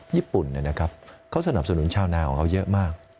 ญี่ปุ่นเขาสนับสนุนชาวนาของเขาเยอะมาก